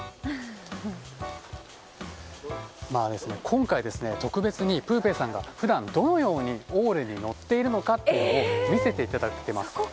今回、特別にプーペーさんが普段どのようにオーレに乗っているのかを見せていただきます。